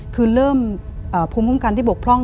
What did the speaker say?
คือเริ่มภูมิคุ้มกันที่บกพร่อง